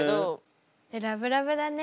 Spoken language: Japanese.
ラブラブだね。